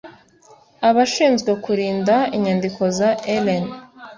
ABASHINZWE KURINDA INYANDIKO ZA ELLEN